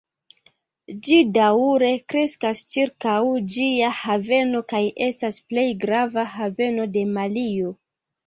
Ĝi daŭre kreskas ĉirkaŭ ĝia haveno kaj estas plej grava haveno de Malio.